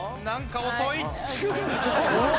何か遅い！